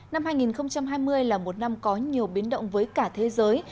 năm hai nghìn hai mươi là một năm có nhiều biến động với cả thế giới